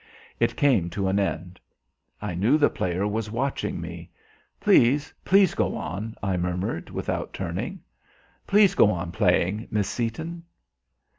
It came to an end. I knew the player was watching me. "Please, please, go on!" I murmured, without turning. "Please go on playing, Miss Seaton."